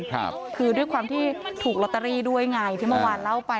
คือด้วยความที่ถูกลอตเตอรี่ด้วยไงที่เมื่อวานเล่าไป